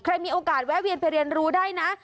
มีโอกาสแวะเวียนไปเรียนรู้ได้นะ